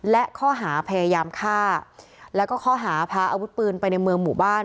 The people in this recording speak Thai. และข้อหาพยายามฆ่าแล้วก็ข้อหาพาอาวุธปืนไปในเมืองหมู่บ้าน